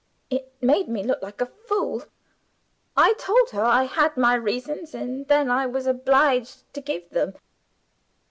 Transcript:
It made me look like a fool. I told her I had my reasons, and then I was obliged to give them."